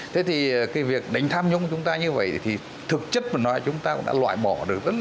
thế thì cái việc đánh tham nhũng của chúng ta như vậy thì thực chất mà nói chúng ta cũng đã loại bỏ được rất là